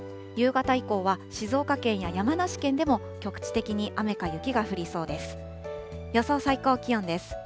夕方以降は静岡県や山梨県でも局地的に雨か雪が降りそうです。